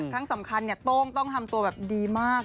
ครั้งสำคัญต้องทำตัวดีมาก